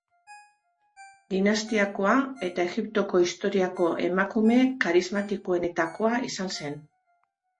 Dinastiakoa, eta Egiptoko historiako emakume karismatikoenetakoa izan zen.